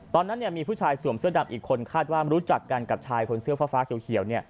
ตอนนั้นมีผู้ชายสวมเสื้อดำอีกคนคาดว่ารู้จักกันกับชายคนเสื้อฟ้าเขียว